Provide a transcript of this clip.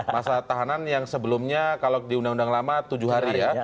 masa tahanan yang sebelumnya kalau di undang undang lama tujuh hari ya